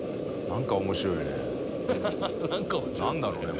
何か面白いですね。